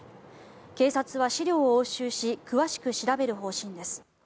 警察は資料を押収し詳しく調べる方針です。